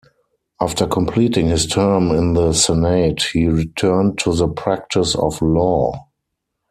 After completing his term in the Senate, he returned to the practice of law.